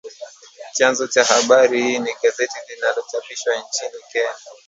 Chanzo cha habari hii ni gazeti la linalochapishwa nchini Kenya